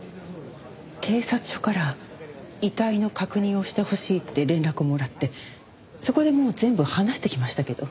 警察署から遺体の確認をしてほしいって連絡もらってそこでもう全部話してきましたけど。